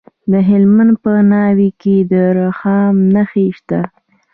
د هلمند په ناوې کې د رخام نښې شته.